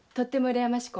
羨ましく？